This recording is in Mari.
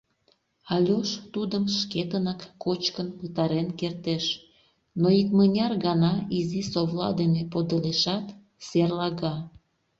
Альош тудым шкетынак кочкын пытарен кертеш, но икмыняр гана изи совла дене подылешат, серлага.